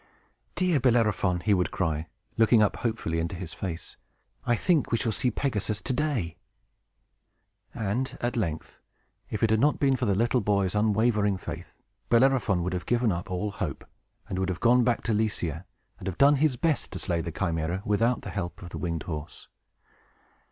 "Dear Bellerophon," he would cry, looking up hopefully into his face, "I think we shall see Pegasus to day!" And, at length, if it had not been for the little boy's unwavering faith, Bellerophon would have given up all hope, and would have gone back to Lycia, and have done his best to slay the Chimæra without the help of the winged horse.